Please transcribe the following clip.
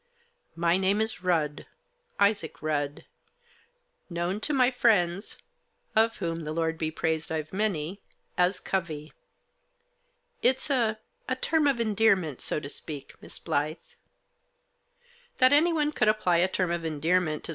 " My name is Rudd — Isaac Rudd ; known to my friends, of whom, the Lord be praised, I've many, as Covey. It's a — a term of endearment, so to speak, Miss Blyth." That anyone could apply a term of endearment to Digitized by FIEAKDOLO'S.